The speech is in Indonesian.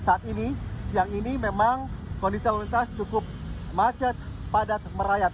saat ini siang ini memang kondisi lalu lintas cukup macet padat merayap